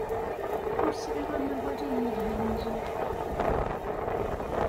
Ur sɛiɣ amawal ay yelhan mliḥ.